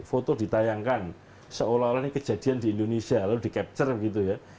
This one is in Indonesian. foto ditayangkan seolah olah ini kejadian di indonesia lalu di capture gitu ya